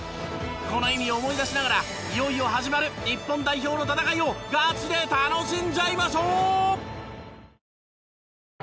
この意味を思い出しながらいよいよ始まる日本代表の戦いをガチで楽しんじゃいましょう！